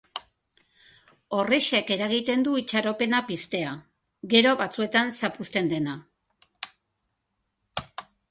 Horrexek eragiten du itxaropena piztea, gero batzuetan zapuzten dena.